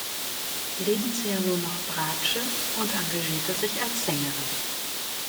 Lebensjahr nur noch Bratsche und engagierte sich als Sängerin.